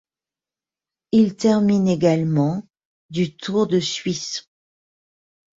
Il termine également du Tour de Suisse.